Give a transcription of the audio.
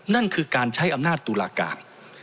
นั่นคือการใช้อำนาจตุลาการ